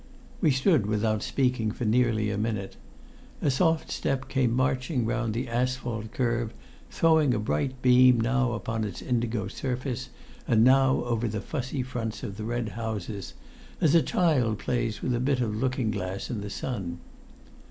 We stood without speaking for nearly a minute. A soft step came marching round the asphalt curve, throwing a bright beam now upon its indigo surface, and now over the fussy fronts of the red houses, as a child plays with a bit of looking glass in the sun.